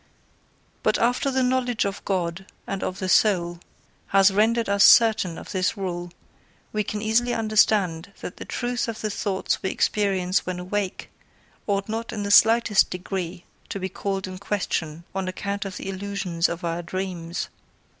But after the knowledge of God and of the soul has rendered us certain of this rule, we can easily understand that the truth of the thoughts we experience when awake, ought not in the slightest degree to be called in question on account of the illusions of our dreams.